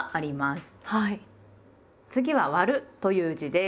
次は「『割』る」という字です。